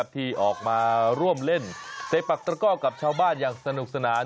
ที่ออกมาร่วมเล่นเตะปักตระก้อกับชาวบ้านอย่างสนุกสนาน